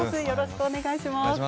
よろしくお願いします。